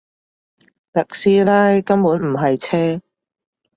特斯拉根本唔係車